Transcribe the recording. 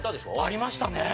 ありましたね。